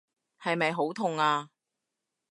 係咪好痛啊？